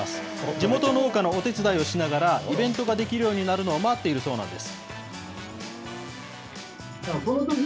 地元農家のお手伝いをしながら、イベントができるようになるのを待っているそうなんです。